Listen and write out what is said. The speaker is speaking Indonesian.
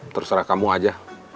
terserah kamu aja